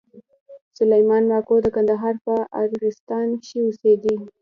سلېمان ماکو د کندهار په ارغسان کښي اوسېدئ.